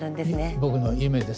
僕の夢です。